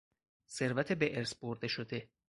ثروت به ارث برده شده